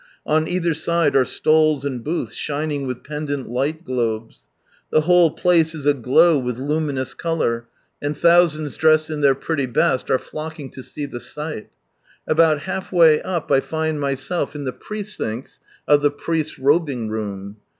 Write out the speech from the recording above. On either side are stalls and booths shining with pendent light globes. The whole place is aglow with luminous colour, and thousands dressed in their pretty best are flock ing to sec the sight. 144 Sunrise Land About half way up I find myself in the precincts of the priests' robingroom.